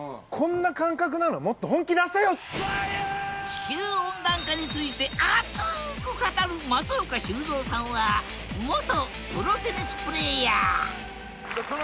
地球温暖化についてアツく語る松岡修造さんは元プロテニスプレーヤー